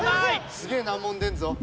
すげえ難問出るぞ。